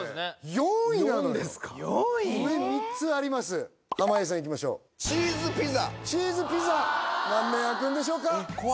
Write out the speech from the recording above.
４ですか上３つあります濱家さんいきましょうチーズピザ何面あくんでしょうか？